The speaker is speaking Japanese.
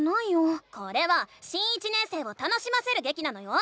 これは新１年生を楽しませるげきなのよ！